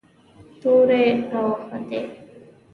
تورې را وختې.